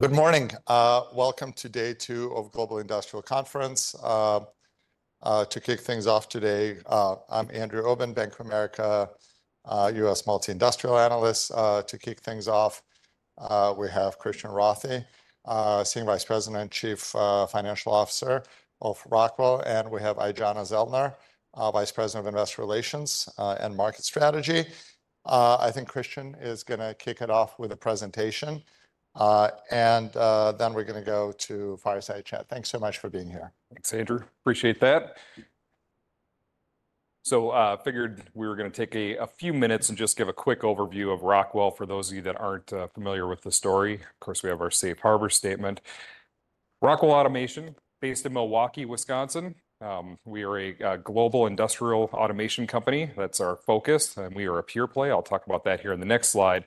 Good morning. Welcome to Day Two of the Global Industrial Conference. To kick things off today, I'm Andrew Obin, Bank of America, U.S. multi-industrial analyst. To kick things off, we have Christian Rothe, Senior Vice President and Chief Financial Officer of Rockwell, and we have Aijana Zellner, Vice President of Investor Relations and Market Strategy. I think Christian is going to kick it off with a presentation. Then we're going to go to Fireside Chat. Thanks so much for being here. Thanks, Andrew. Appreciate that. Figured we were going to take a few minutes and just give a quick overview of Rockwell for those of you that aren't familiar with the story. Of course, we have our Safe Harbor statement. Rockwell Automation, based in Milwaukee, Wisconsin, we are a global industrial automation company. That's our focus. We are a pure play. I'll talk about that here in the next slide.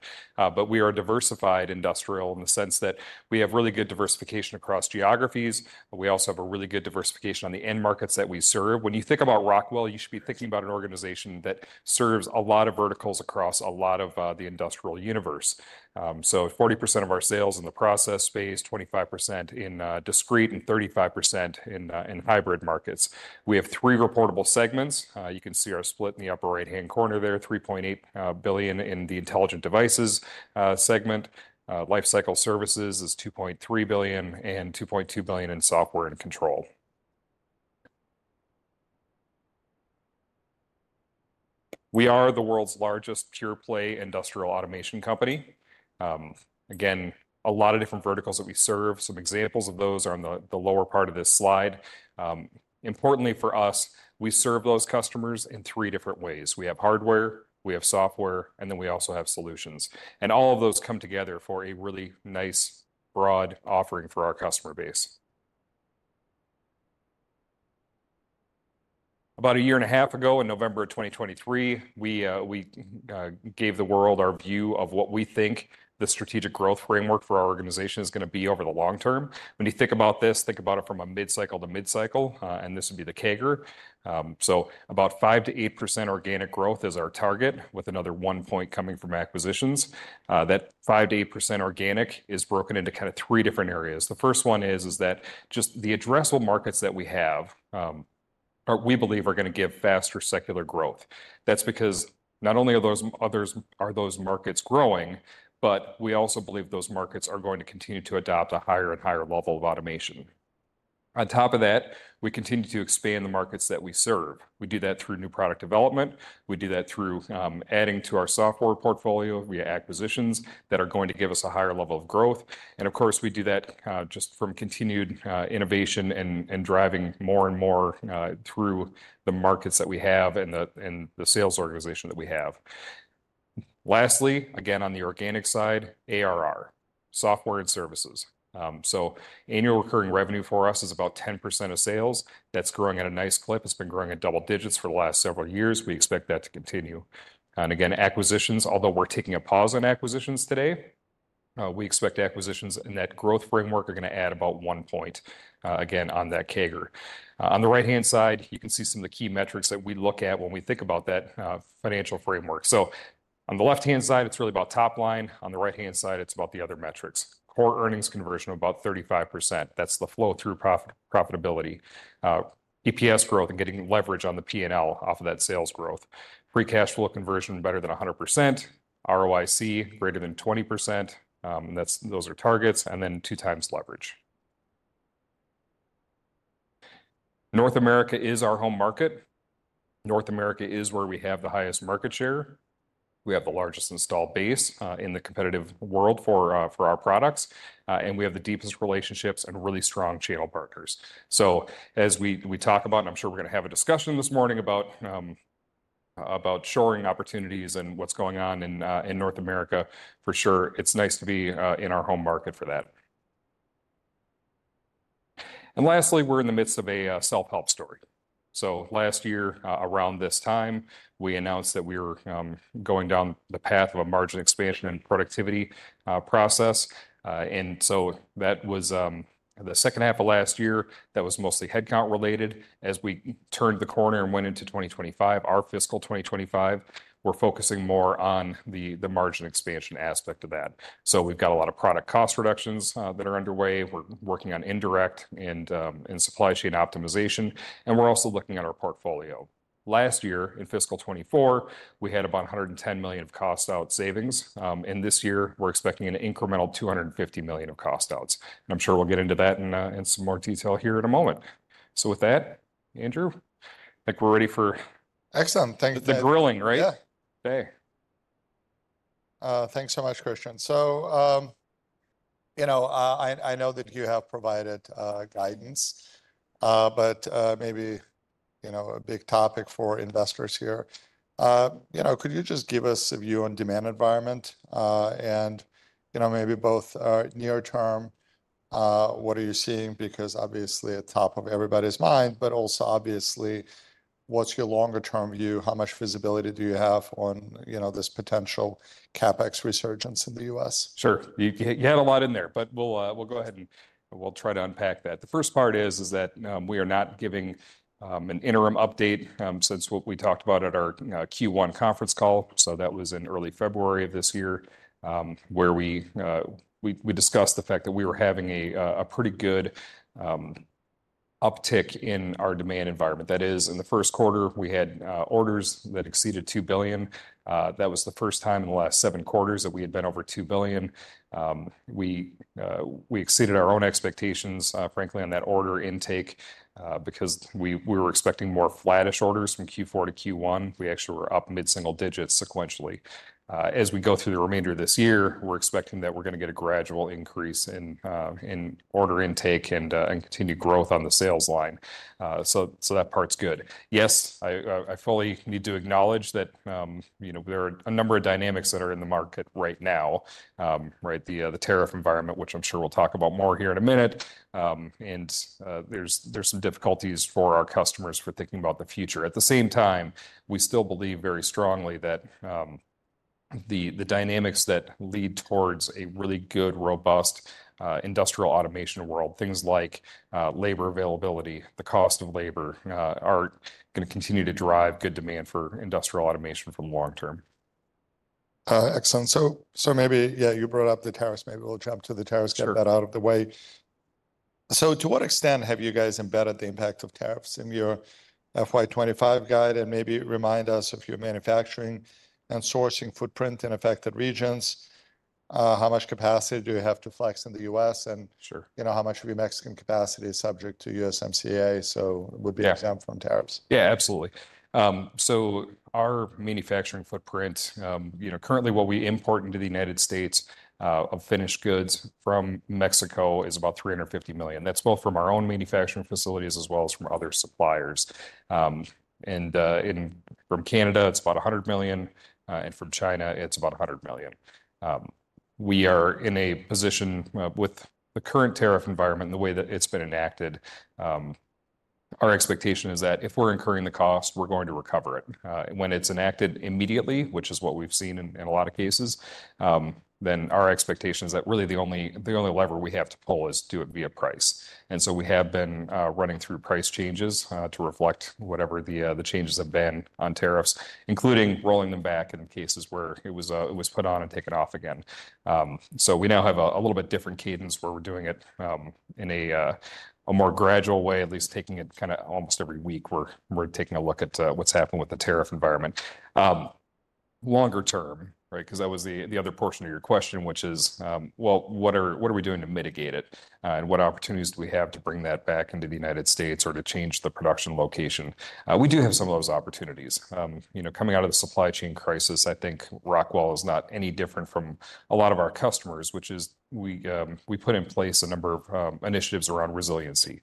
We are a diversified industrial in the sense that we have really good diversification across geographies. We also have a really good diversification on the end markets that we serve. When you think about Rockwell, you should be thinking about an organization that serves a lot of verticals across a lot of the industrial universe. 40% of our sales in the process space, 25% in discrete, and 35% in hybrid markets. We have three reportable segments. You can see our split in the upper right-hand corner there, $3.8 billion in the Intelligent Devices segment. Lifecycle Services is $2.3 billion and $2.2 billion in Software and Control. We are the world's largest pure-play industrial automation company. Again, a lot of different verticals that we serve. Some examples of those are in the lower part of this slide. Importantly for us, we serve those customers in three different ways. We have hardware, we have software, and then we also have solutions. All of those come together for a really nice, broad offering for our customer base. About a year and a half ago, in November of 2023, we gave the world our view of what we think the strategic growth framework for our organization is going to be over the long term. When you think about this, think about it from a mid-cycle to mid-cycle, and this would be the CAGR. So about 5%-8% organic growth is our target, with another one point coming from acquisitions. That 5%-8% organic is broken into kind of three different areas. The first one is, is that just the addressable markets that we have, we believe are going to give faster secular growth. That's because not only are those others, are those markets growing, but we also believe those markets are going to continue to adopt a higher and higher level of automation. On top of that, we continue to expand the markets that we serve. We do that through new product development. We do that through adding to our software portfolio via acquisitions that are going to give us a higher level of growth. Of course, we do that just from continued innovation and driving more and more through the markets that we have and the sales organization that we have. Lastly, again, on the organic side, ARR, software and services. Annual recurring revenue for us is about 10% of sales. That's growing at a nice clip. It's been growing at double digits for the last several years. We expect that to continue. Again, acquisitions, although we're taking a pause on acquisitions today, we expect acquisitions in that growth framework are going to add about one point again on that CAGR. On the right-hand side, you can see some of the key metrics that we look at when we think about that financial framework. On the left-hand side, it's really about top line. On the right-hand side, it's about the other metrics. Core earnings conversion of about 35%. That's the flow-through profitability. EPS growth and getting leverage on the P&L off of that sales growth. Free cash flow conversion better than 100%. ROIC greater than 20%. Those are targets. Two times leverage. North America is our home market. North America is where we have the highest market share. We have the largest installed base, in the competitive world for our products. We have the deepest relationships and really strong channel partners. As we talk about, and I'm sure we're going to have a discussion this morning about shoring opportunities and what's going on in North America, for sure, it's nice to be in our home market for that. Lastly, we're in the midst of a self-help story. Last year, around this time, we announced that we were going down the path of a margin expansion and productivity process. That was the second half of last year. That was mostly headcount related. As we turned the corner and went into 2025, our fiscal 2025, we're focusing more on the margin expansion aspect of that. We've got a lot of product cost reductions that are underway. We're working on indirect and supply chain optimization. We're also looking at our portfolio. Last year, in fiscal 2024, we had about $110 million of cost out savings. This year, we're expecting an incremental $250 million of cost outs. I'm sure we'll get into that in some more detail here in a moment. With that, Andrew, I think we're ready for it. Excellent. Thanks. The grilling, right? Yeah. Day. Thanks so much, Christian. You know, I know that you have provided guidance, but maybe, you know, a big topic for investors here. You know, could you just give us a view on demand environment, and, you know, maybe both near term, what are you seeing? Because obviously at top of everybody's mind, but also obviously what's your longer term view? How much visibility do you have on, you know, this potential CapEx resurgence in the U.S.? Sure. You had a lot in there, but we'll go ahead and try to unpack that. The first part is that we are not giving an interim update since what we talked about at our Q1 conference call. That was in early February of this year, where we discussed the fact that we were having a pretty good uptick in our demand environment. That is, in the first quarter, we had orders that exceeded $2 billion. That was the first time in the last seven quarters that we had been over $2 billion. We exceeded our own expectations, frankly, on that order intake, because we were expecting more flattish orders from Q4-Q1. We actually were up mid-single digits sequentially. As we go through the remainder of this year, we're expecting that we're going to get a gradual increase in order intake and continue growth on the sales line. That part's good. Yes, I fully need to acknowledge that, you know, there are a number of dynamics that are in the market right now, right? The tariff environment, which I'm sure we'll talk about more here in a minute, and there's some difficulties for our customers for thinking about the future. At the same time, we still believe very strongly that the dynamics that lead towards a really good, robust, industrial automation world, things like labor availability, the cost of labor, are going to continue to drive good demand for industrial automation from long term. Excellent. Maybe, yeah, you brought up the tariffs. Maybe we'll jump to the tariffs, get that out of the way. To what extent have you guys embedded the impact of tariffs in your FY2025 guide and maybe remind us of your manufacturing and sourcing footprint in affected regions? How much capacity do you have to flex in the U.S.? Sure. You know, how much of your Mexican capacity is subject to USMCA? So it would be exempt from tariffs. Yeah, absolutely. Our manufacturing footprint, you know, currently what we import into the United States of finished goods from Mexico is about $350 million. That's both from our own manufacturing facilities as well as from other suppliers. In from Canada, it's about $100 million. And from China, it's about $100 million. We are in a position, with the current tariff environment and the way that it's been enacted, our expectation is that if we're incurring the cost, we're going to recover it. When it's enacted immediately, which is what we've seen in a lot of cases, then our expectation is that really the only lever we have to pull is do it via price. We have been running through price changes to reflect whatever the changes have been on tariffs, including rolling them back in cases where it was put on and taken off again. We now have a little bit different cadence where we are doing it in a more gradual way, at least taking it kind of almost every week where we are taking a look at what has happened with the tariff environment. Longer term, right? Because that was the other portion of your question, which is, what are we doing to mitigate it? And what opportunities do we have to bring that back into the United States or to change the production location? We do have some of those opportunities. You know, coming out of the supply chain crisis, I think Rockwell is not any different from a lot of our customers, which is we put in place a number of initiatives around resiliency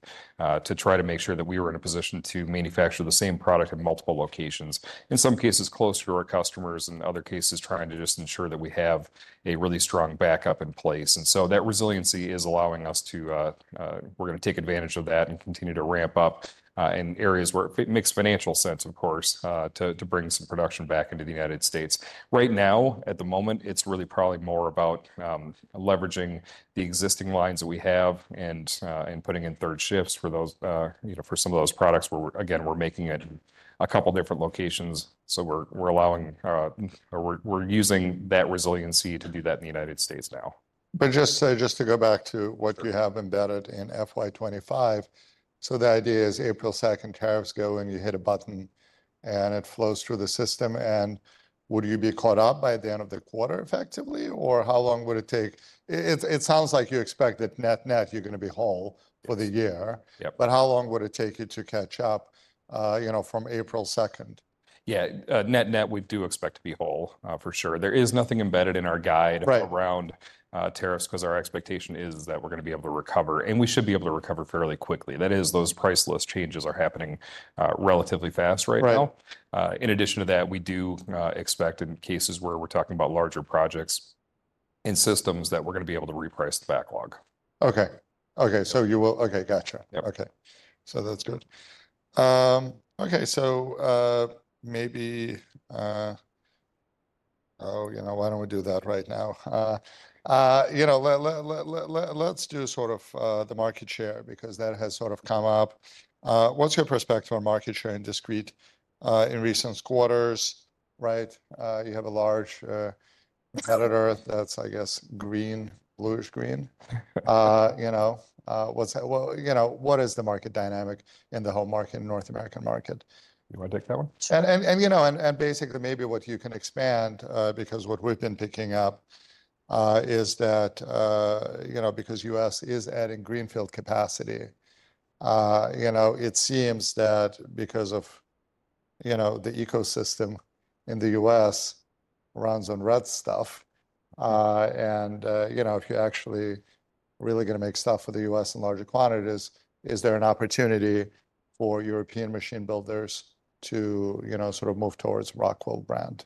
to try to make sure that we were in a position to manufacture the same product in multiple locations, in some cases closer to our customers and other cases trying to just ensure that we have a really strong backup in place. That resiliency is allowing us to, we're going to take advantage of that and continue to ramp up in areas where it makes financial sense, of course, to bring some production back into the United States. Right now, at the moment, it's really probably more about leveraging the existing lines that we have and putting in third shifts for those, you know, for some of those products where we're, again, we're making it a couple different locations. We're allowing, we're using that resiliency to do that in the United States now. Just to go back to what you have embedded in FY25. The idea is April 2nd, tariffs go and you hit a button and it flows through the system. Would you be caught up by the end of the quarter effectively? Or how long would it take? It sounds like you expect that net net, you're going to be whole for the year. Yep. How long would it take you to catch up, you know, from April 2nd? Yeah, net net, we do expect to be whole, for sure. There is nothing embedded in our guide. Right. Around tariffs because our expectation is that we're going to be able to recover and we should be able to recover fairly quickly. That is, those price list changes are happening relatively fast right now. Right. In addition to that, we do expect in cases where we're talking about larger projects and systems that we're going to be able to reprice the backlog. Okay. Okay. You will, okay, gotcha. Yep. Okay. That's good. Okay. Maybe, oh, you know, why don't we do that right now? You know, let's do sort of the market share because that has sort of come up. What's your perspective on market share in discrete, in recent quarters, right? You have a large competitor that's, I guess, green, bluish green. You know, what's, well, you know, what is the market dynamic in the whole market, North American market? You want to take that one? You know, basically maybe what you can expand, because what we've been picking up is that, you know, because the U.S. is adding greenfield capacity, it seems that because of, you know, the ecosystem in the U.S. runs on red stuff. You know, if you're actually really going to make stuff for the U.S. in larger quantities, is there an opportunity for European machine builders to, you know, sort of move towards Rockwell brand?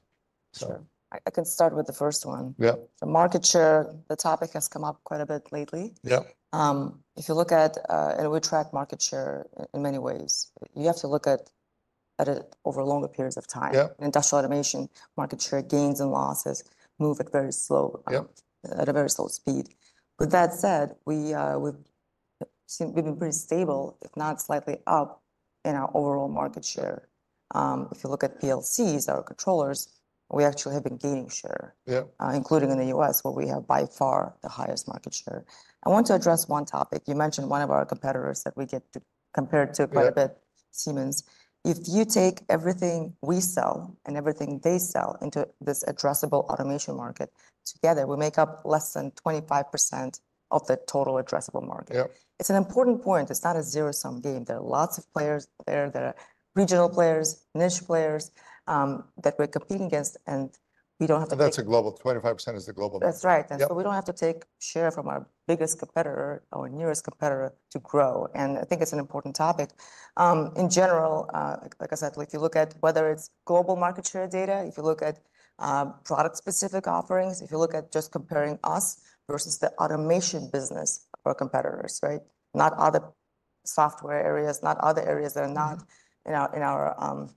Sure. I can start with the first one. Yeah. The market share, the topic has come up quite a bit lately. Yeah. If you look at it, it will track market share in many ways. You have to look at it over longer periods of time. Yeah. Industrial automation market share gains and losses move at very slow. Yeah. At a very slow speed. With that said, we've seen we've been pretty stable, if not slightly up in our overall market share. If you look at PLCs, our controllers, we actually have been gaining share. Yeah. including in the U.S. where we have by far the highest market share. I want to address one topic. You mentioned one of our competitors that we get to compare to quite a bit, Siemens. If you take everything we sell and everything they sell into this addressable automation market together, we make up less than 25% of the total addressable market. Yeah. It's an important point. It's not a zero-sum game. There are lots of players there. There are regional players, niche players, that we're competing against, and we don't have to take. That's a global 25% is the global market. That's right. We don't have to take share from our biggest competitor, our nearest competitor to grow. I think it's an important topic. In general, like I said, if you look at whether it's global market share data, if you look at product-specific offerings, if you look at just comparing us versus the automation business of our competitors, right? Not other software areas, not other areas that are not in our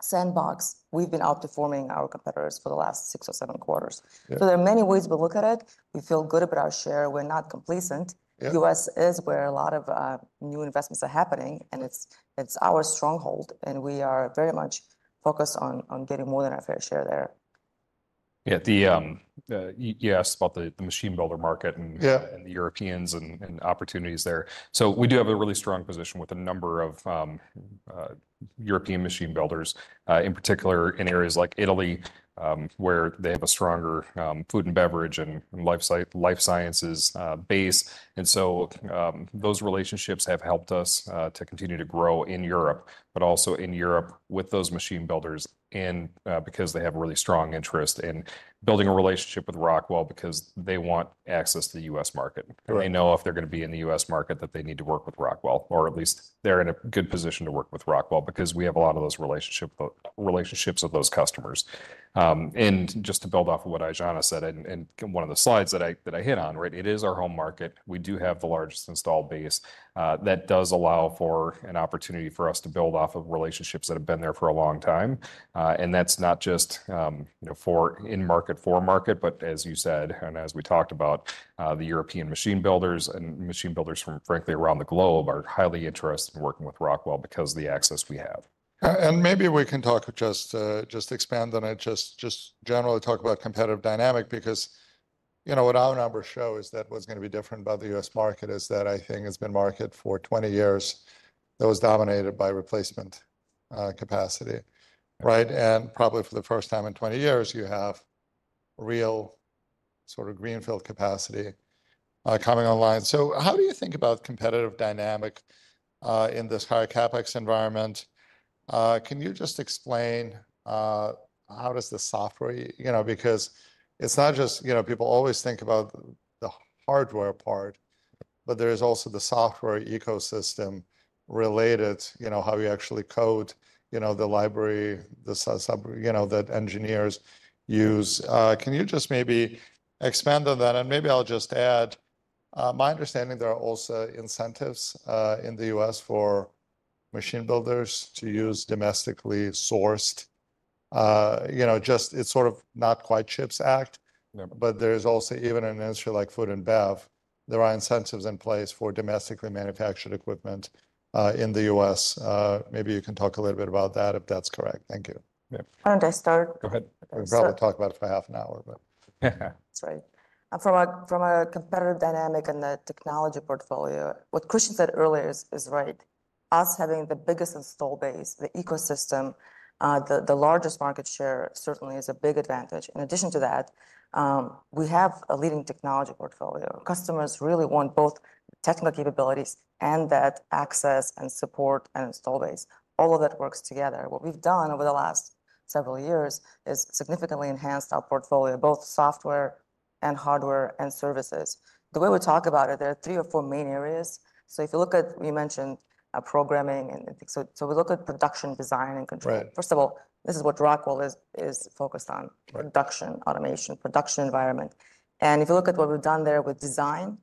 sandbox. We've been outperforming our competitors for the last six or seven quarters. There are many ways we look at it. We feel good about our share. We're not complacent. Yeah. U.S. is where a lot of new investments are happening, and it's our stronghold, and we are very much focused on getting more than our fair share there. Yeah. You asked about the machine builder market and. Yeah. We do have a really strong position with a number of European machine builders, in particular in areas like Italy, where they have a stronger food and beverage and life sciences base. Those relationships have helped us to continue to grow in Europe, but also in Europe with those machine builders, because they have a really strong interest in building a relationship with Rockwell because they want access to the U.S. market. Correct. They know if they're going to be in the U.S. market that they need to work with Rockwell, or at least they're in a good position to work with Rockwell because we have a lot of those relationships with those customers. Just to build off of what Aijana said and one of the slides that I hit on, it is our home market. We do have the largest installed base, that does allow for an opportunity for us to build off of relationships that have been there for a long time. That's not just, you know, for in market, for market, but as you said, and as we talked about, the European machine builders and machine builders from, frankly, around the globe are highly interested in working with Rockwell because of the access we have. Maybe we can talk, just expand on it, just generally talk about competitive dynamic because, you know, what our numbers show is that what's going to be different about the U.S. market is that I think it's been marketed for 20 years. That was dominated by replacement, capacity, right? And probably for the first time in 20 years, you have real sort of greenfield capacity coming online. How do you think about competitive dynamic in this higher CapEx environment? Can you just explain how does the software, you know, because it's not just, you know, people always think about the hardware part, but there is also the software ecosystem related, you know, how you actually code, you know, the library, the sub, you know, that engineers use. Can you just maybe expand on that? Maybe I'll just add, my understanding there are also incentives in the U.S. for machine builders to use domestically sourced, you know, just it's sort of not quite CHIPS Act. Yeah. There is also even an industry like food and bev. There are incentives in place for domestically manufactured equipment, in the U.S. Maybe you can talk a little bit about that if that's correct. Thank you. Yeah. I start. Go ahead. I probably talk about it for half an hour. That's right. From a competitive dynamic and the technology portfolio, what Christian said earlier is right. Us having the biggest install base, the ecosystem, the largest market share certainly is a big advantage. In addition to that, we have a leading technology portfolio. Customers really want both technical capabilities and that access and support and install base. All of that works together. What we've done over the last several years is significantly enhanced our portfolio, both software and hardware and services. The way we talk about it, there are three or four main areas. If you look at, you mentioned programming and, and we look at production design and control. Right. First of all, this is what Rockwell is focused on. Right. Production automation, production environment. If you look at what we've done there with design,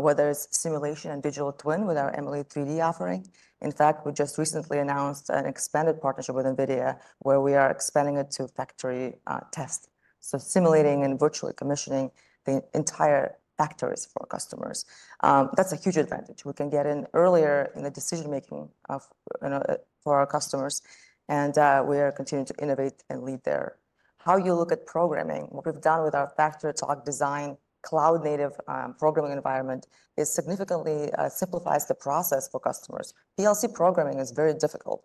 whether it's simulation and digital twin with our Emulate3D offering. In fact, we just recently announced an expanded partnership with NVIDIA where we are expanding it to factory test. Simulating and virtually commissioning the entire factories for our customers, that's a huge advantage. We can get in earlier in the decision making of, you know, for our customers. We are continuing to innovate and lead there. How you look at programming, what we've done with our FactoryTalk Design Suite, cloud native, programming environment is significantly, simplifies the process for customers. PLC programming is very difficult.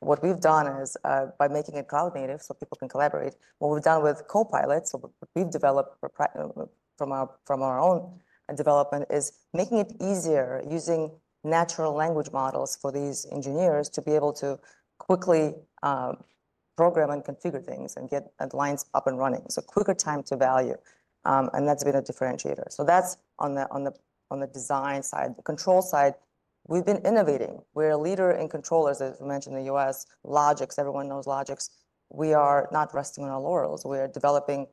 What we've done is, by making it cloud native so people can collaborate. What we've done with Copilot, what we've developed from our own development is making it easier using natural language models for these engineers to be able to quickly program and configure things and get lines up and running. Quicker time to value, and that's been a differentiator. That's on the design side. The control side, we've been innovating. We're a leader in controllers, as we mentioned in the U.S., Logix. Everyone knows Logix. We are not resting on our laurels. We are developing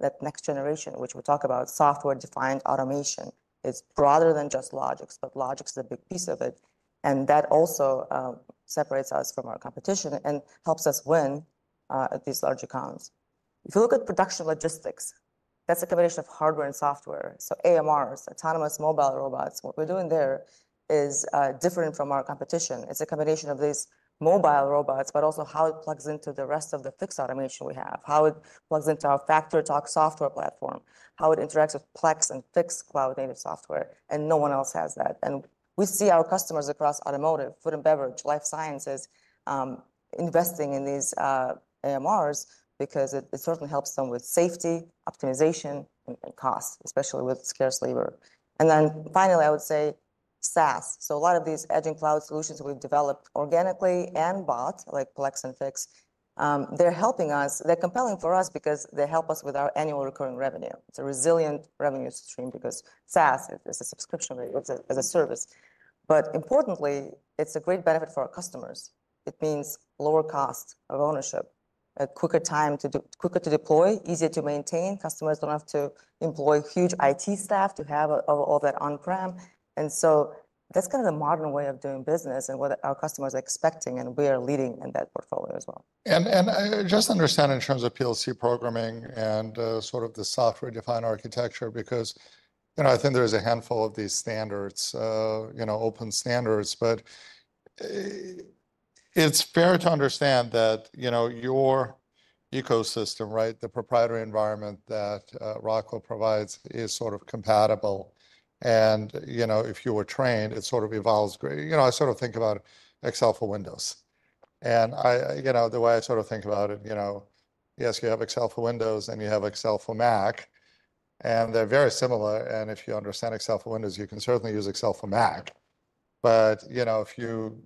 that next generation, which we talk about, software-defined automation. It's broader than just Logix, but Logix is a big piece of it. That also separates us from our competition and helps us win at these larger comps. If you look at production logistics, that's a combination of hardware and software. AMRs, autonomous mobile robots. What we're doing there is different from our competition. It's a combination of these mobile robots, but also how it plugs into the rest of the fixed automation we have, how it plugs into our FactoryTalk software platform, how it interacts with Plex and Fiix cloud native software. No one else has that. We see our customers across automotive, food and beverage, life sciences, investing in these AMRs because it certainly helps them with safety, optimization, and costs, especially with scarce labor. Finally, I would say SaaS. A lot of these edge and cloud solutions that we've developed organically and bought, like Plex and Fiix, are helping us. They're compelling for us because they help us with our annual recurring revenue. It's a resilient revenue stream because SaaS is a subscription, it's a service. Importantly, it's a great benefit for our customers. It means lower cost of ownership, a quicker time to do, quicker to deploy, easier to maintain. Customers don't have to employ huge IT staff to have all that on-prem. That is kind of the modern way of doing business and what our customers are expecting. We are leading in that portfolio as well. I just understand in terms of PLC programming and, sort of the software-defined architecture because, you know, I think there's a handful of these standards, you know, open standards, but it's fair to understand that, you know, your ecosystem, right, the proprietary environment that Rockwell provides is sort of compatible. You know, if you were trained, it sort of evolves great. I sort of think about Excel for Windows. I, you know, the way I sort of think about it, you know, yes, you have Excel for Windows and you have Excel for Mac, and they're very similar. If you understand Excel for Windows, you can certainly use Excel for Mac. You know, if you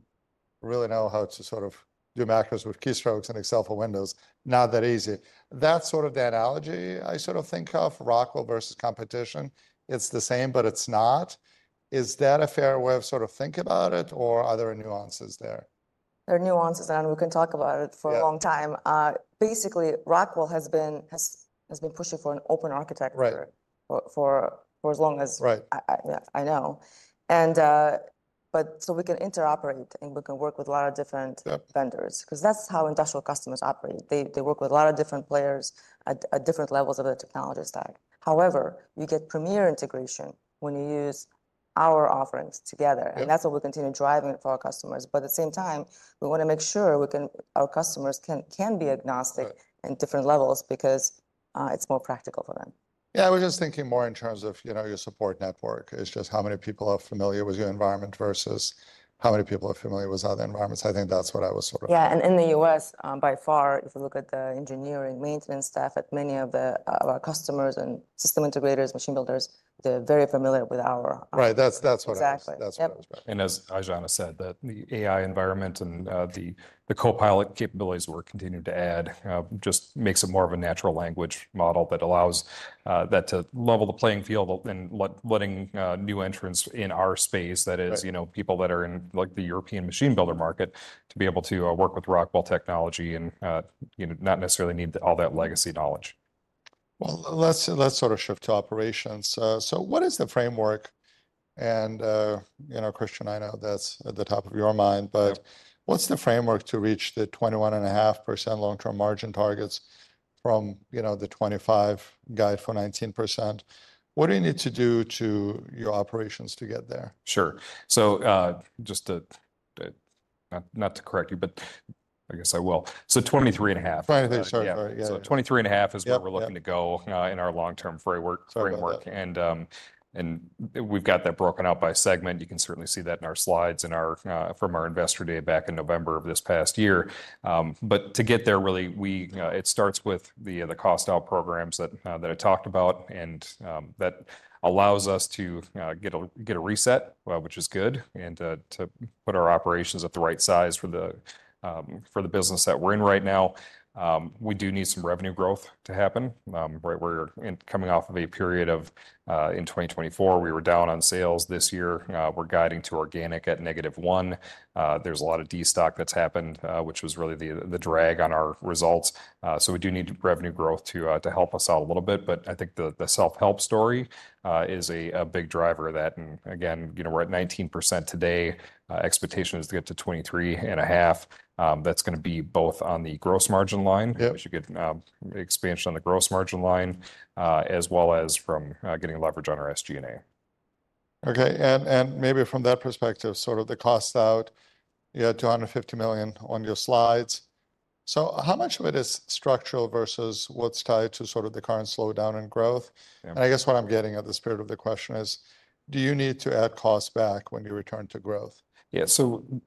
really know how to sort of do macros with keystrokes in Excel for Windows, not that easy. That's sort of the analogy I sort of think of Rockwell versus competition. It's the same, but it's not. Is that a fair way of sort of thinking about it, or are there nuances there? There are nuances, and we can talk about it for a long time. Basically, Rockwell has been, has been pushing for an open architecture. Right. For as long as. Right. I know. We can interoperate and we can work with a lot of different vendors because that's how industrial customers operate. They work with a lot of different players at different levels of the technology stack. However, you get premier integration when you use our offerings together. Yeah. That is what we continue driving for our customers. At the same time, we want to make sure our customers can be agnostic in different levels because it is more practical for them. Yeah. We're just thinking more in terms of, you know, your support network is just how many people are familiar with your environment versus how many people are familiar with other environments. I think that's what I was sort of. Yeah. In the U.S., by far, if you look at the engineering maintenance staff at many of our customers and system integrators, machine builders, they're very familiar with our. Right. That's what I was. Exactly. That's what I was about. As Aijana said, the AI environment and the Copilot capabilities we're continuing to add just makes it more of a natural language model that allows that to level the playing field and let new entrants in our space, that is, you know, people that are in like the European machine builder market, be able to work with Rockwell technology and, you know, not necessarily need all that legacy knowledge. Let's sort of shift to operations. What is the framework? And, you know, Christian, I know that's at the top of your mind, but what's the framework to reach the 21.5% long-term margin targets from, you know, the 2025 guide for 19%? What do you need to do to your operations to get there? Sure. Just to, not to correct you, but I guess I will. So 23.5. 23.5. Yeah. $23.5 is where we're looking to go, in our long-term framework. Framework. We have that broken out by segment. You can certainly see that in our slides and from our investor day back in November of this past year. To get there, it really starts with the cost out programs that I talked about, and that allows us to get a reset, which is good, and to put our operations at the right size for the business that we are in right now. We do need some revenue growth to happen, right? We are coming off of a period of, in 2024, we were down on sales this year. We are guiding to organic at negative 1%. There is a lot of destock that has happened, which was really the drag on our results. We do need revenue growth to help us out a little bit. I think the self-help story is a big driver of that. Again, you know, we're at 19% today. Expectation is to get to 23.5%. That's going to be both on the gross margin line. Yeah. Which you get, expansion on the gross margin line, as well as from getting leverage on our SG&A. Okay. Maybe from that perspective, sort of the cost out, you had $250 million on your slides. How much of it is structural versus what's tied to sort of the current slowdown in growth? I guess what I'm getting at, the spirit of the question is, do you need to add cost back when you return to growth? Yeah.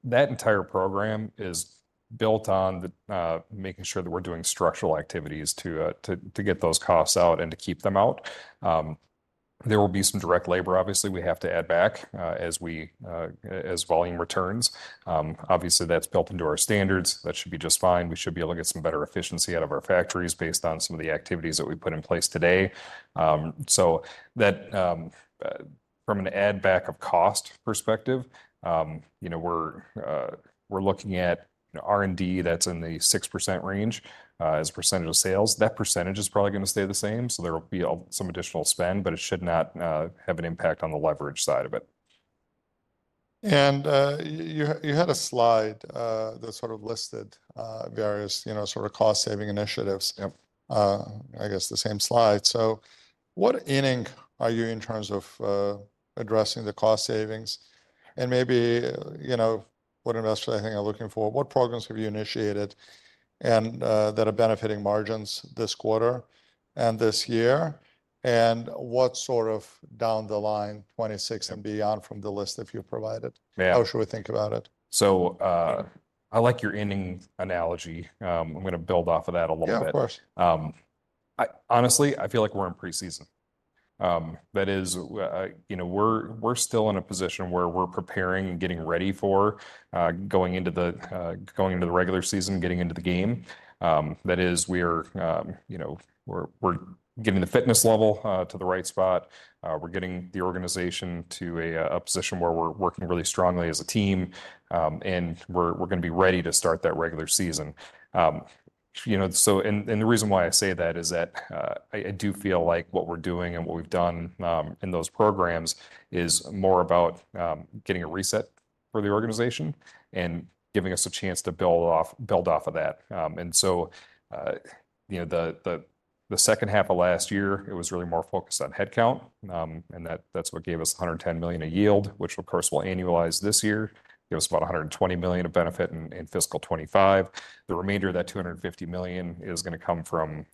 That entire program is built on making sure that we're doing structural activities to get those costs out and to keep them out. There will be some direct labor, obviously. We have to add back, as we, as volume returns. Obviously that's built into our standards. That should be just fine. We should be able to get some better efficiency out of our factories based on some of the activities that we put in place today. That, from an add back of cost perspective, you know, we're looking at, you know, R&D that's in the 6% range, as a percentage of sales. That percentage is probably going to stay the same. There will be some additional spend, but it should not have an impact on the leverage side of it. You had a slide that sort of listed various, you know, sort of cost saving initiatives. Yep. I guess the same slide. What inning are you in terms of addressing the cost savings? Maybe, you know, what investors I think are looking for, what programs have you initiated that are benefiting margins this quarter and this year? What sort of down the line 2026 and beyond from the list that you've provided? Yeah. How should we think about it? I like your inning analogy. I'm going to build off of that a little bit. Yeah, of course. I honestly, I feel like we're in preseason. That is, you know, we're still in a position where we're preparing and getting ready for going into the regular season, getting into the game. That is, we are, you know, we're getting the fitness level to the right spot. We're getting the organization to a position where we're working really strongly as a team. We're going to be ready to start that regular season. You know, and the reason why I say that is that I do feel like what we're doing and what we've done in those programs is more about getting a reset for the organization and giving us a chance to build off, build off of that. You know, the second half of last year, it was really more focused on headcount. That, that's what gave us $110 million a yield, which of course we'll annualize this year, give us about $120 million of benefit in fiscal 2025. The remainder of that $250 million is going to come from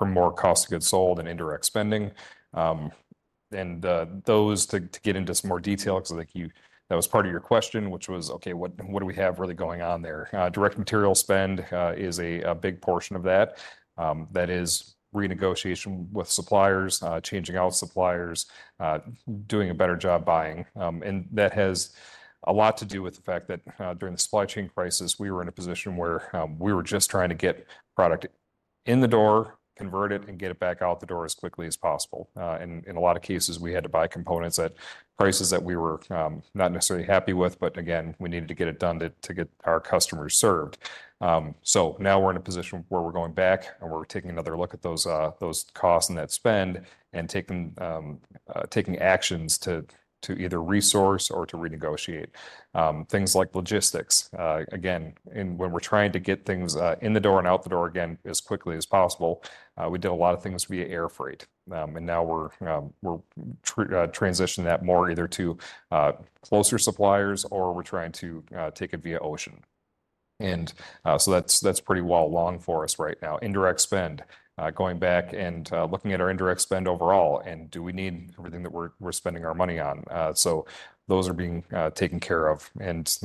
more cost of goods sold and indirect spending. Those, to get into some more detail because I think you, that was part of your question, which was, okay, what do we have really going on there? Direct material spend is a big portion of that. That is renegotiation with suppliers, changing out suppliers, doing a better job buying. That has a lot to do with the fact that during the supply chain crisis, we were in a position where we were just trying to get product in the door, convert it, and get it back out the door as quickly as possible. In a lot of cases, we had to buy components at prices that we were not necessarily happy with, but again, we needed to get it done to get our customers served. Now we're in a position where we're going back and we're taking another look at those costs and that spend and taking actions to either resource or to renegotiate. Things like logistics, again, when we're trying to get things in the door and out the door as quickly as possible, we did a lot of things via air freight. Now we're transitioning that more either to closer suppliers or we're trying to take it via ocean. That is pretty well along for us right now. Indirect spend, going back and looking at our indirect spend overall and do we need everything that we're spending our money on? Those are being taken care of. That's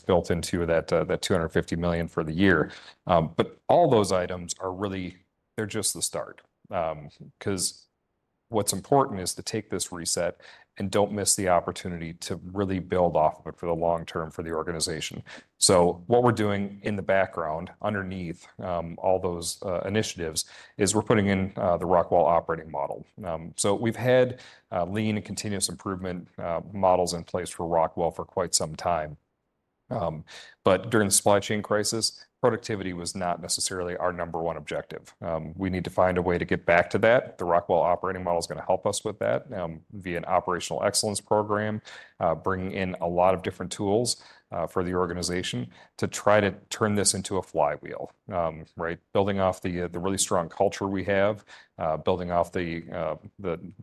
built into that $250 million for the year. All those items are really, they're just the start. What's important is to take this reset and not miss the opportunity to really build off of it for the long term for the organization. What we're doing in the background underneath all those initiatives is we're putting in the Rockwell operating model. We've had lean and continuous improvement models in place for Rockwell for quite some time. During the supply chain crisis, productivity was not necessarily our number one objective. We need to find a way to get back to that. The Rockwell operating model is going to help us with that, via an operational excellence program, bringing in a lot of different tools for the organization to try to turn this into a flywheel. Right. Building off the really strong culture we have, building off the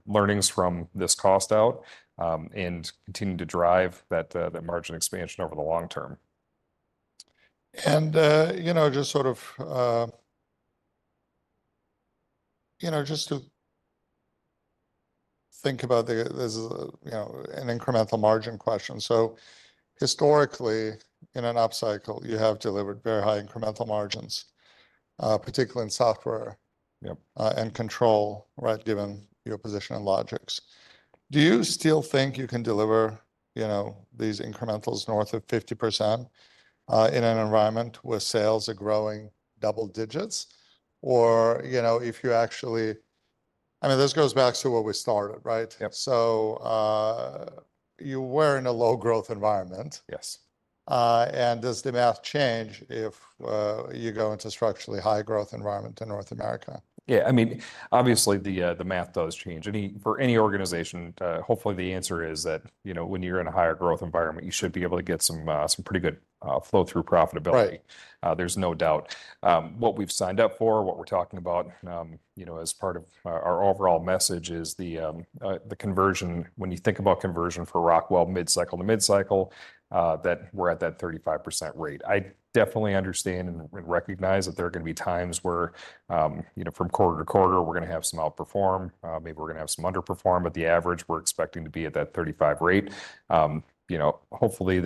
learnings from this cost out, and continuing to drive that margin expansion over the long term. You know, just to think about the, there's a, you know, an incremental margin question. Historically, in an upcycle, you have delivered very high incremental margins, particularly in software. Yep. and control, right? Given your position and Logix. Do you still think you can deliver, you know, these incrementals north of 50%, in an environment where sales are growing double digits? Or, you know, if you actually, I mean, this goes back to where we started, right? Yep. You were in a low growth environment. Yes. Does the math change if you go into a structurally high growth environment in North America? Yeah. I mean, obviously the math does change. For any organization, hopefully the answer is that, you know, when you're in a higher growth environment, you should be able to get some pretty good flow through profitability. Right. There's no doubt. What we've signed up for, what we're talking about, you know, as part of our overall message is the conversion, when you think about conversion for Rockwell mid-cycle to mid-cycle, that we're at that 35% rate. I definitely understand and recognize that there are going to be times where, you know, from quarter to quarter, we're going to have some outperform, maybe we're going to have some underperform, but the average we're expecting to be at that 35% rate. You know, hopefully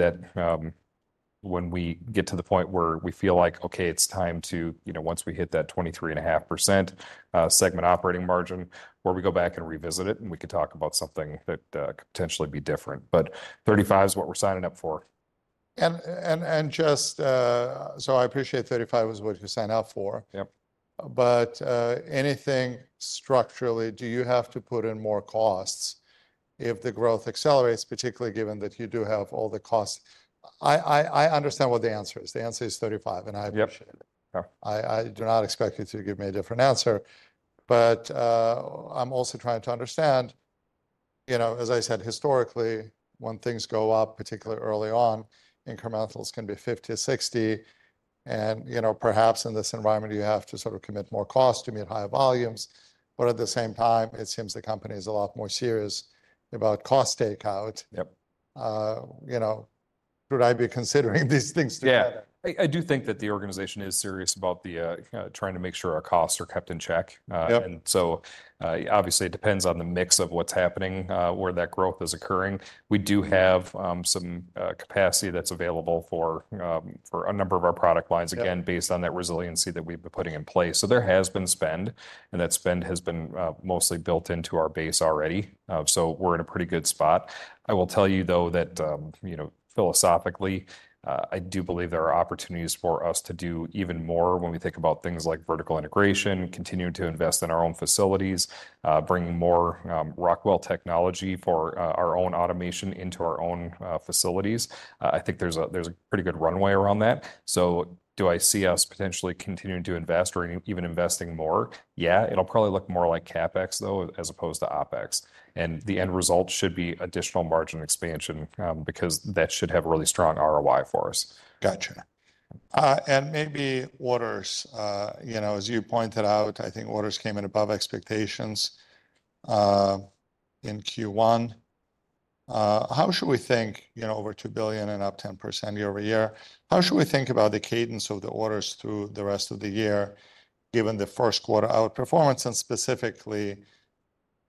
that, when we get to the point where we feel like, okay, it's time to, you know, once we hit that 23.5% segment operating margin, where we go back and revisit it and we could talk about something that could potentially be different. But 35% is what we're signing up for. I appreciate 35 was what you signed up for. Yep. Anything structurally, do you have to put in more costs if the growth accelerates, particularly given that you do have all the costs? I understand what the answer is. The answer is 35 and I appreciate it. Yep. I do not expect you to give me a different answer, but I'm also trying to understand, you know, as I said, historically, when things go up, particularly early on, incrementals can be 50-60%. You know, perhaps in this environment, you have to sort of commit more cost to meet higher volumes. At the same time, it seems the company is a lot more serious about cost takeout. Yep. you know, should I be considering these things together? Yeah. I do think that the organization is serious about trying to make sure our costs are kept in check. Obviously it depends on the mix of what's happening, where that growth is occurring. We do have some capacity that's available for a number of our product lines, again, based on that resiliency that we've been putting in place. There has been spend and that spend has been mostly built into our base already. We're in a pretty good spot. I will tell you though that, you know, philosophically, I do believe there are opportunities for us to do even more when we think about things like vertical integration, continuing to invest in our own facilities, bringing more Rockwell technology for our own automation into our own facilities. I think there's a pretty good runway around that. Do I see us potentially continuing to invest or even investing more? Yeah, it'll probably look more like CapEx though, as opposed to OpEx. The end result should be additional margin expansion, because that should have really strong ROI for us. Gotcha. And maybe orders, you know, as you pointed out, I think orders came in above expectations in Q1. How should we think, you know, over $2 billion and up 10% year over year, how should we think about the cadence of the orders through the rest of the year given the first quarter outperformance and specifically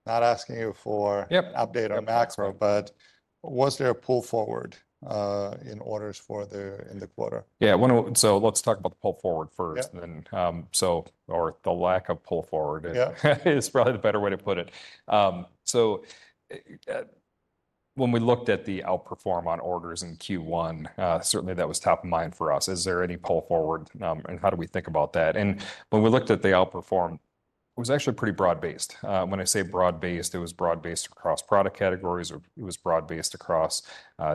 not asking you for. Yep. Update on macro, but was there a pull forward in orders for the, in the quarter? Yeah. One of, so let's talk about the pull forward first. Yeah. The lack of pull forward is. Yeah. Is probably the better way to put it. When we looked at the outperform on orders in Q1, certainly that was top of mind for us. Is there any pull forward, and how do we think about that? When we looked at the outperform, it was actually pretty broad-based. When I say broad-based, it was broad-based across product categories. It was broad-based across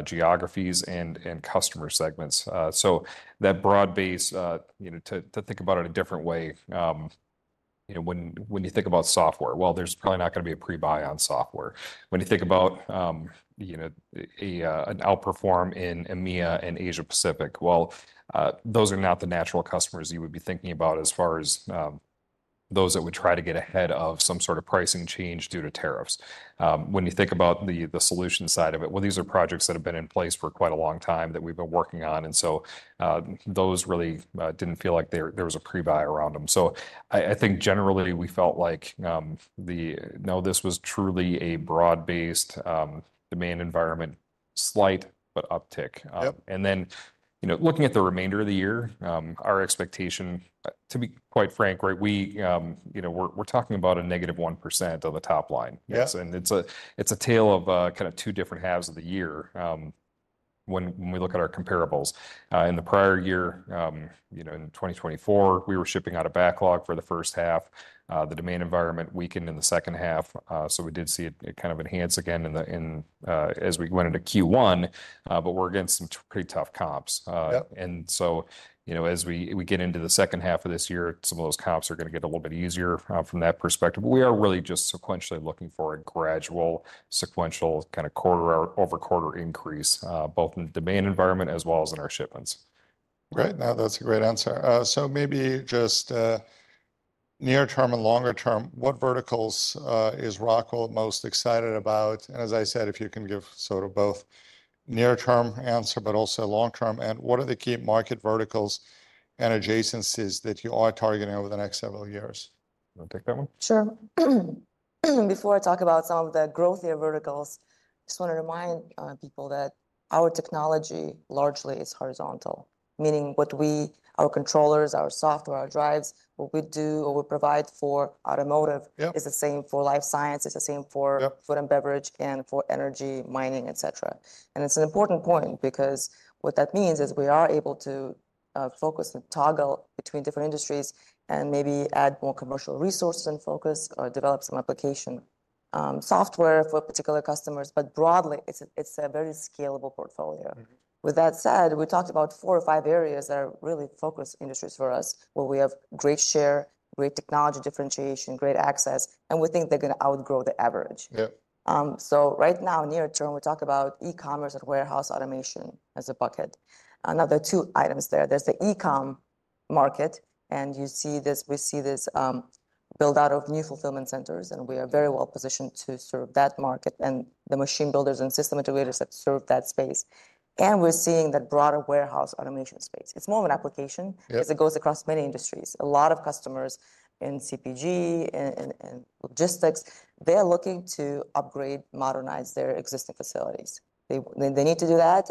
geographies and customer segments. That broad-based, you know, to think about it a different way, you know, when you think about software, well, there's probably not going to be a pre-buy on software. When you think about, you know, an outperform in EMEA and Asia Pacific, those are not the natural customers you would be thinking about as far as those that would try to get ahead of some sort of pricing change due to tariffs. When you think about the, the solution side of it, these are projects that have been in place for quite a long time that we've been working on. Those really did not feel like there was a pre-buy around them. I think generally we felt like, no, this was truly a broad-based demand environment, slight, but uptick. You know, looking at the remainder of the year, our expectation, to be quite frank, right? We are talking about a negative 1% on the top line. Yes. It's a tale of, kind of two different halves of the year. When we look at our comparables, in the prior year, you know, in 2024, we were shipping out of backlog for the first half. The demand environment weakened in the second half. We did see it kind of enhance again as we went into Q1, but we're against some pretty tough comps. Yep. You know, as we get into the second half of this year, some of those comps are going to get a little bit easier, from that perspective. We are really just sequentially looking for a gradual, sequential kind of quarter over quarter increase, both in the demand environment as well as in our shipments. Great. No, that's a great answer. Maybe just, near term and longer term, what verticals is Rockwell most excited about? As I said, if you can give sort of both near term answer, but also long term, and what are the key market verticals and adjacencies that you are targeting over the next several years? I'll take that one. Sure. Before I talk about some of the growth here verticals, I just want to remind people that our technology largely is horizontal, meaning what we, our controllers, our software, our drives, what we do or we provide for automotive. Yep. Is the same for life sciences, the same for. Yep. Food and beverage and for energy, mining, et cetera. It is an important point because what that means is we are able to focus and toggle between different industries and maybe add more commercial resources and focus or develop some application, software for particular customers. Broadly, it is a very scalable portfolio. Mm-hmm. With that said, we talked about four or five areas that are really focused industries for us where we have great share, great technology differentiation, great access, and we think they're going to outgrow the average. Yeah. Right now, near term, we talk about e-commerce and warehouse automation as a bucket. Another two items there. There's the e-com market, and you see this, we see this, build out of new fulfillment centers, and we are very well positioned to serve that market and the machine builders and system integrators that serve that space. We are seeing that broader warehouse automation space. It's more of an application. Yeah. Because it goes across many industries. A lot of customers in CPG and logistics, they are looking to upgrade, modernize their existing facilities. They need to do that,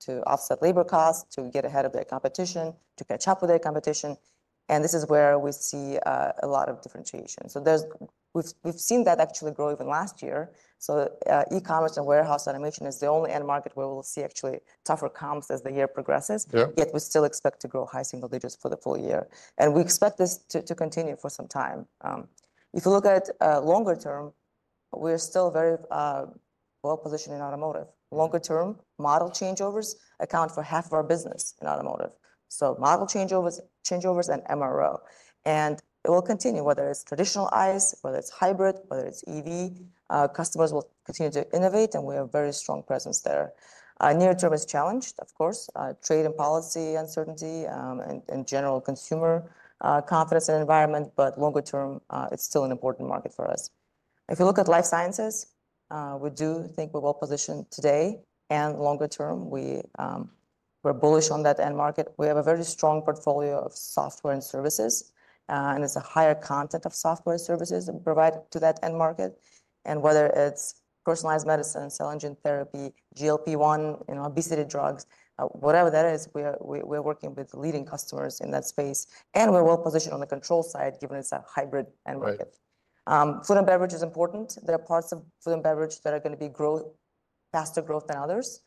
to offset labor costs, to get ahead of their competition, to catch up with their competition. This is where we see a lot of differentiation. We have seen that actually grow even last year. E-commerce and warehouse automation is the only end market where we will see actually tougher comps as the year progresses. Yeah. Yet we still expect to grow high single digits for the full year. We expect this to continue for some time. If you look at longer term, we are still very well positioned in automotive. Longer term model changeovers account for half of our business in automotive. Model changeovers, changeovers and MRO, and it will continue whether it's traditional ICE, whether it's hybrid, whether it's EV, customers will continue to innovate, and we have a very strong presence there. Near term is challenged, of course, trade and policy uncertainty, and general consumer confidence and environment, but longer term, it's still an important market for us. If you look at life sciences, we do think we're well positioned today and longer term. We're bullish on that end market. We have a very strong portfolio of software and services, and it's a higher content of software and services provided to that end market. Whether it's personalized medicine, cell and gene therapy, GLP-1, you know, obesity drugs, whatever that is, we are working with leading customers in that space, and we're well positioned on the control side given it's a hybrid end market. Right. Food and beverage is important. There are parts of food and beverage that are going to be growth, faster growth than others.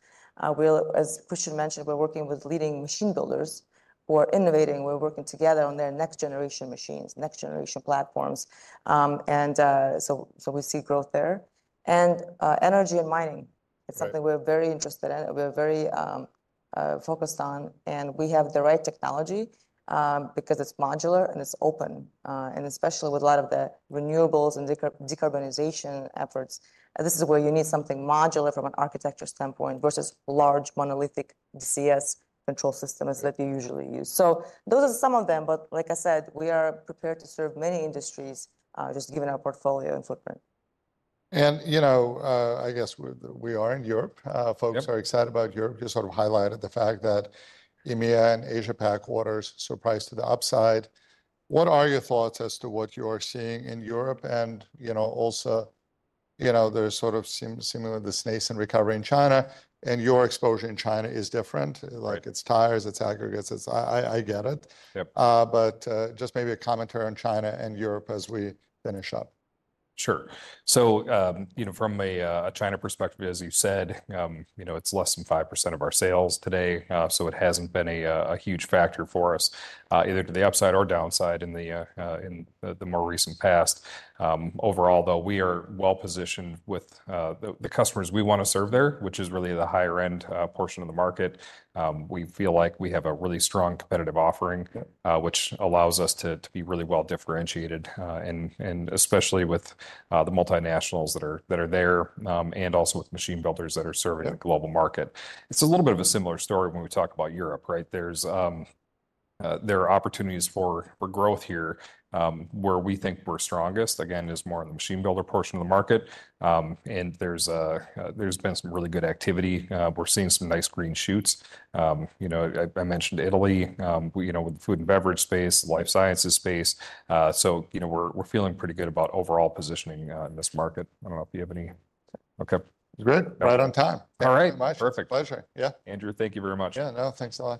We're, as Christian mentioned, we're working with leading machine builders who are innovating. We're working together on their next generation machines, next generation platforms. So we see growth there. And energy and mining. Yeah. It's something we're very interested in. We are very focused on, and we have the right technology, because it's modular and it's open, especially with a lot of the renewables and decarbonization efforts. This is where you need something modular from an architecture standpoint versus large monolithic DCS control systems that you usually use. Those are some of them, but like I said, we are prepared to serve many industries, just given our portfolio and footprint. You know, I guess we are in Europe. Folks are excited about Europe. You sort of highlighted the fact that EMEA and Asia Pac waters surprised to the upside. What are your thoughts as to what you are seeing in Europe? You know, also, you know, there is sort of seemingly the snace and recovery in China, and your exposure in China is different, like it's tires, it's aggregates, it's, I get it. Yep. Just maybe a commentary on China and Europe as we finish up. Sure. You know, from a China perspective, as you said, it's less than 5% of our sales today. It hasn't been a huge factor for us, either to the upside or downside in the more recent past. Overall though, we are well positioned with the customers we want to serve there, which is really the higher end portion of the market. We feel like we have a really strong competitive offering. Yeah. which allows us to be really well differentiated, and especially with the multinationals that are there, and also with machine builders that are serving the global market. It's a little bit of a similar story when we talk about Europe, right? There are opportunities for growth here, where we think we're strongest. Again, it's more on the machine builder portion of the market. and there's been some really good activity. We're seeing some nice green shoots. you know, I mentioned Italy, you know, with the food and beverage space, life sciences space. you know, we're feeling pretty good about overall positioning in this market. I don't know if you have any. Okay. Great. Right on time. All right. Thank you very much. Perfect. Pleasure. Yeah. Andrew, thank you very much. Yeah, no, thanks a lot.